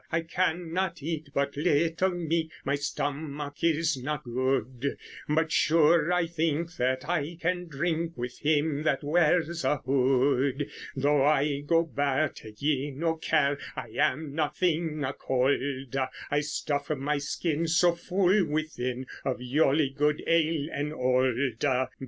I can not eate but lytle meate, My stomacke is not good; But sure I thinke that I can dryncke With him that weares a hood. Thoughe I go bare, take ye no care, I am nothinge a colde, I stuffe my skyn so full within Of ioly good ale and olde.